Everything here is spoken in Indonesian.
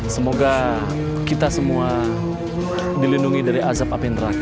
semoga kita semua dilindungi dari azab api neraka